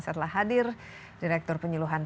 saya telah hadir direktur penyeluhan